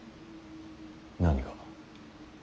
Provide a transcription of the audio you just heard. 何が。